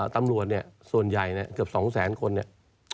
ตำรวจเนี่ยส่วนใหญ่เกือบ๒แสนคนเนี่ย